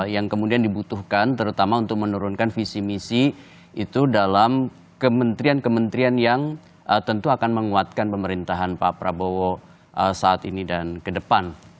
yang kemudian dibutuhkan terutama untuk menurunkan visi misi itu dalam kementerian kementerian yang tentu akan menguatkan pemerintahan pak prabowo saat ini dan ke depan